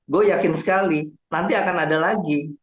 gue yakin sekali nanti akan ada lagi